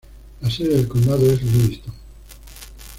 La sede de condado es Livingston.